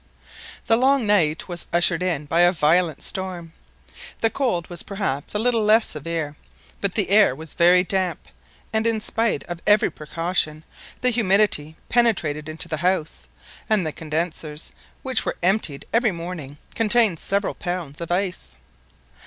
The long night was ushered in by a violent storm. The cold was perhaps a little less severe, but the air was very damp, and, in spite of every precaution, the humidity penetrated into the house, and the condensers, which were emptied every morning, contained several pounds of ice.